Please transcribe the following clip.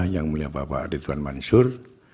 yang mulia bapak ridwan mansur